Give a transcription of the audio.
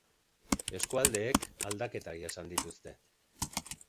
Eskualdeek aldaketak jasan dituzte.